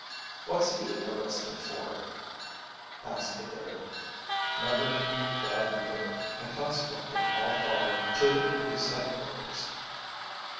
"What's he arrested for?" asked a third. Nobody in the crowd knew, and consequently all followed to the police headquarters.